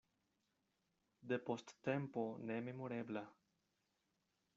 Depost tempo nememorebla.